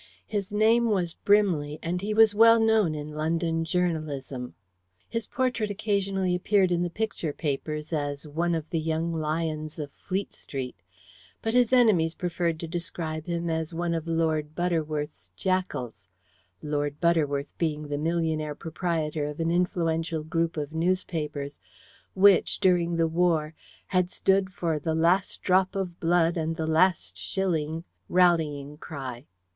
His name was Brimley, and he was well known in London journalism. His portrait occasionally appeared in the picture papers as "one of the young lions of Fleet Street," but his enemies preferred to describe him as one of Lord Butterworth's jackals Lord Butterworth being the millionaire proprietor of an influential group of newspapers which, during the war, had stood for "the last drop of blood and the last shilling" rallying cry.